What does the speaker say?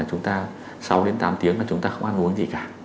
chúng ta sáu đến tám tiếng là chúng ta không ăn uống gì cả